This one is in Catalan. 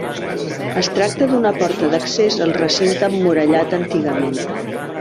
Es tracta d'una porta d'accés al recinte emmurallat antigament.